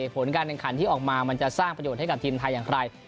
ผลการแข่งขันที่ออกมามันจะสร้างประโยชน์ให้กับทีมไทยอย่างไร